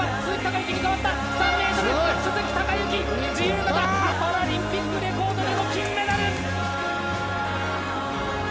鈴木孝幸、自由形パラリンピックレコードでの金メダル！